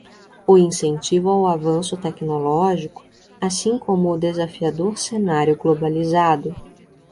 O incentivo ao avanço tecnológico, assim como o desafiador cenário globalizado